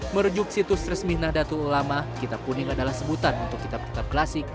merujuk situs resmi nahdlatul ulama kitab kuning adalah sebutan untuk kitab kitab klasik